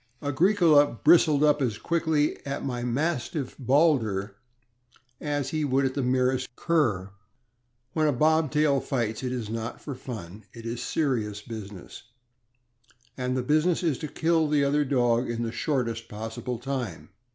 Agricola bristled up as quickly at my Mastiff Baldur as he would at the merest cur; and when a Bobtail fights, it is not for fun; it is serious business, and the busi ness is to kill the other dog in the shortest possible time.